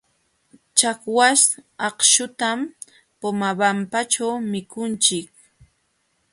Chakwaśh akśhutam Pomabambaćhu mikunchik.